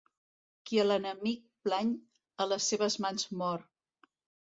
Qui a l'enemic plany, a les seves mans mor.